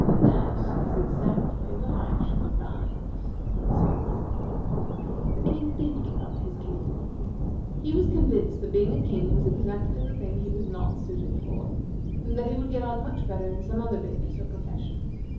"That is exactly what I should advise," said the Sphinx. The King did give up his kingdom. He was convinced that being a King was exactly the thing he was not suited for, and that he would get on much better in some other business or profession.